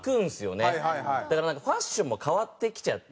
だからなんかファッションも変わってきちゃって。